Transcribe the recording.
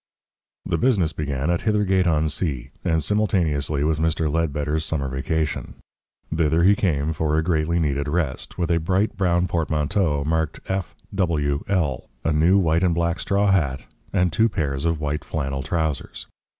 The business began at Hithergate on Sea, and simultaneously with Mr. Ledbetter's summer vacation. Thither he came for a greatly needed rest, with a bright brown portmanteau marked "F. W. L.", a new white and black straw hat, and two pairs of white flannel trousers.